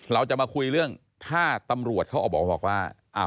เราจะมาคุยเรื่องถ้าตำรวจเขาออกมาบอกว่า